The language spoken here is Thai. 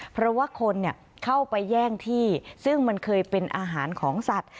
เพราะว่าคนเข้าไปแย่งที่ซึ่งมันเคยเป็นอาหารของสัตว์